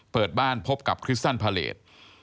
เปิดบ้านพบกับคริสซันพาเลส